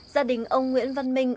gia đình ông nguyễn văn minh